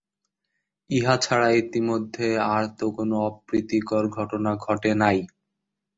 ইহা ছাড়া ইতিমধ্যে আর তো কোনো অপ্রীতিকর ঘটনা ঘটে নাই।